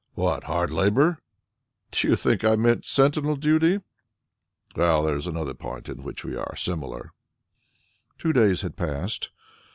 "What? Hard labour?" "Did you think I meant sentinel duty?" "Well, that is another point in which we are similar." Two days had passed.